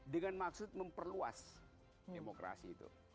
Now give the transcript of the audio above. dengan maksud memperluas demokrasi itu